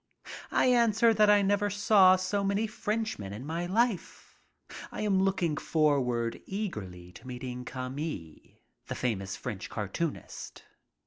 I answer that I never saw so many Frenchmen in my life. I am looking forward eagerly to meeting Cami, the famous French cartoonist.